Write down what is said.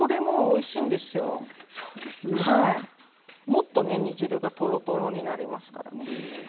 もっとね煮汁がトロトロになりますからね。